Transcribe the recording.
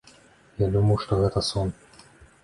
Я думаў, што гэта сон.